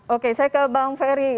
oke saya ke bang ferry